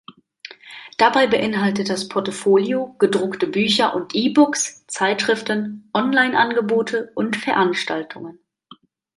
Dabei beinhaltet das Portfolio gedruckte Bücher und E-Books, Zeitschriften, Online-Angebote und Veranstaltungen.